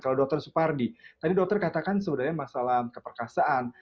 kalau dokter supardi tadi dokter katakan sebenarnya masalah keperkasaan